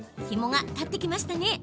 ひもが立ってきました。